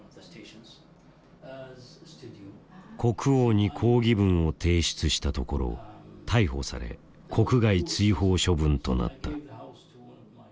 国王に抗議文を提出したところ逮捕され国外追放処分となった。